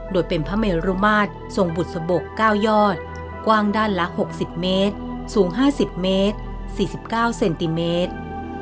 โดยเป็นพระเมรุมาตรทรงบุษบก๙ยอดกว้างด้านละ๖๐เมตรสูง๕๐เมตร๔๙เซนติเมตร